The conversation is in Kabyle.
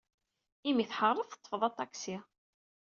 Imi ay tḥared, teḍḍfed aṭaksi.